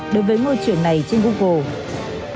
đối với môi trường này trên google